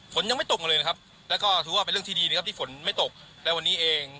ฝนยังไม่ตกเลยนะครับแล้วก็ถือว่าเป็นเรื่องที่ดีนะครับที่ฝนไม่ตกในวันนี้เอง